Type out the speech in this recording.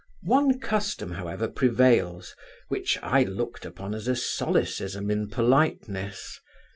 One custom, however, prevails, which I looked upon as a solecism in politeness.